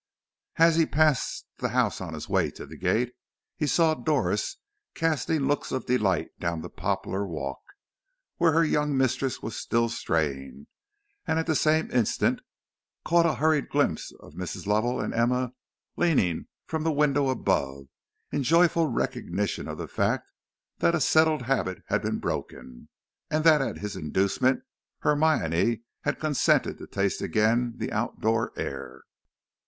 As he passed the house on his way to the gate, he saw Doris casting looks of delight down the poplar walk, where her young mistress was still straying, and at the same instant caught a hurried glimpse of Mrs. Lovell and Emma, leaning from the window above, in joyful recognition of the fact that a settled habit had been broken, and that at his inducement Hermione had consented to taste again the out door air.